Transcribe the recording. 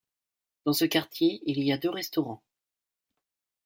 Dans ce quartier il y a deux restaurants.